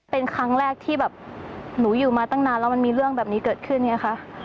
เป็นครั้งแรกที่แบบหนูอยู่มาตั้งนานแล้วมันมีเรื่องแบบนี้เกิดขึ้นไงคะ